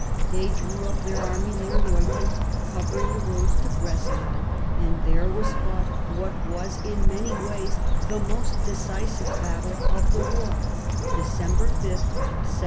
They drew up their army near Leuthen, covering the roads to Breslau, and there was fought what was in many ways the most decisive battle of the war (December 5, 1757).